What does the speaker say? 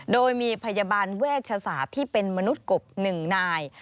โดยมีพยาบาลเวชศาสตร์ที่เป็นมนุษย์กบ๑นาย